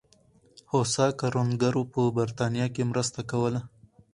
هوسا کروندګرو په برېټانیا کې مرسته کوله.